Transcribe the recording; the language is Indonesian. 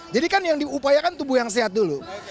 jadi kan yang diupayakan tubuh yang sehat dulu